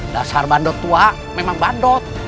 dasar bandot tua memang bandut